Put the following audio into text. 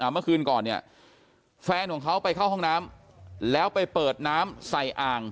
เมื่อคืนก่อนเนี่ยแฟนของเขาไปเข้าห้องน้ำแล้วไปเปิดน้ำใส่อ่าง